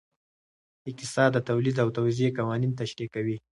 اقتصاد د تولید او توزیع قوانین تشریح کوي.